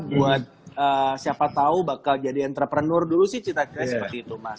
buat siapa tahu bakal jadi entrepreneur dulu sih cita cita seperti itu mas